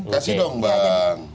kasih dong bang